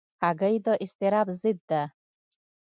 هګۍ د اضطراب ضد ده.